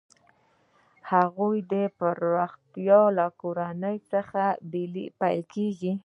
د هغو پراختیا له کورنۍ څخه پیل کیږي.